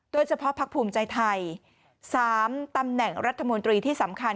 เฉพาะพักภูมิใจไทย๓ตำแหน่งรัฐมนตรีที่สำคัญ